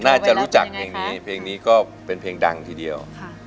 น่าจะรู้จักเพลงนี้เพลงนี้ก็เป็นเพลงดังทีเดียว